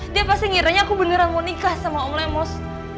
dia pasti ngiranya aku beneran mau nikah sama om lemos